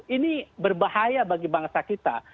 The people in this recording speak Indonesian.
ini berbahaya bagi bangsa kita